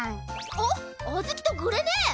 おっあずきとグレねえ！